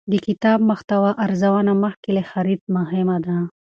د کتاب محتوا ارزونه مخکې له خرید مهمه ده.